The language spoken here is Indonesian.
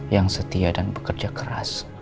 yang setia dan bekerja keras